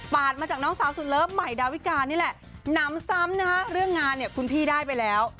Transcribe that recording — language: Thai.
มาจากน้องสาวสุดเลิฟใหม่ดาวิกานี่แหละหนำซ้ำนะฮะเรื่องงานเนี่ยคุณพี่ได้ไปแล้ว